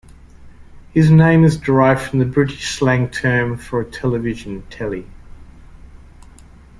His name is derived from the British slang term for a television, "telly".